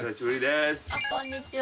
あっこんにちは。